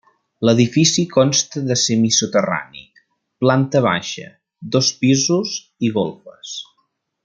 L'edifici consta de semisoterrani, planta baixa, dos pisos i golfes.